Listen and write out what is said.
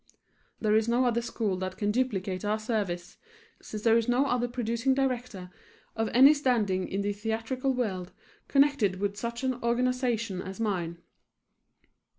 There is no other school that can duplicate our service, since there is no other producing director of any standing in the theatrical world connected with such an organization as mine.